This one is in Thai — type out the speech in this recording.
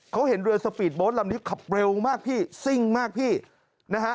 เขาเห็นเรือสปีดโบ๊ทลำนี้ขับเร็วมากพี่ซิ่งมากพี่นะฮะ